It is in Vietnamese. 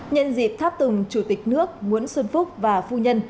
nhân dịp tháp tùng chủ tịch nước nguyễn xuân phúc và phu nhân